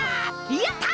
やった！